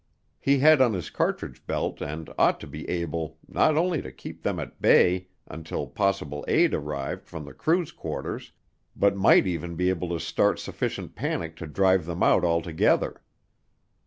He had on his cartridge belt and ought to be able, not only to keep them at bay until possible aid arrived from the crew's quarters, but might even be able to start sufficient panic to drive them out altogether.